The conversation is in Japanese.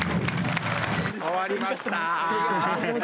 終わりました！